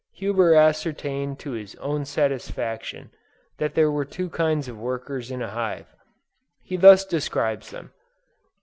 Huber ascertained to his own satisfaction that there were two kinds of workers in a hive. He thus describes them.